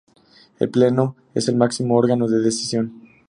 El pleno es el máximo órgano de decisión.